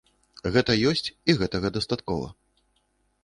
Гэта ёсць, і гэтага дастаткова.